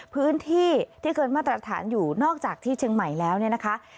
พื้นที่ที่เกินมาตรฐานอยู่นอกจากที่เชียงใหม่แล้วเนี่ยนะคะ